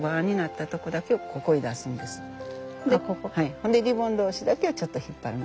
ほんでリボン同士だけをちょっと引っ張るの。